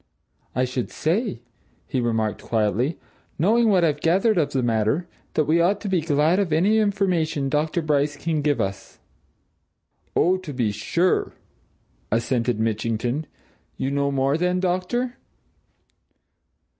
"I should say," he remarked quietly, "knowing what I've gathered of the matter, that we ought to be glad of any information Dr. Bryce can give us." "Oh, to be sure!" assented Mitchington. "You know more, then, doctor?"